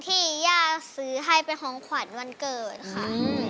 ย่าซื้อให้เป็นของขวัญวันเกิดค่ะ